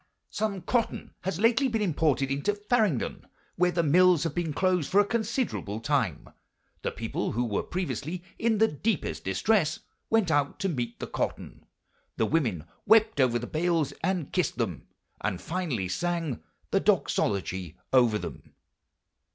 "Some cotton has lately been imported into Farringdon, where the mills have been closed for a considerable time. The people, who were previously in the deepest distress, went out to meet the cotton: the women wept over the bales and kissed them, and finally sang the Doxology over them."